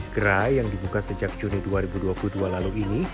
gerai yang dibuka sejak juni dua ribu dua puluh dua lalu ini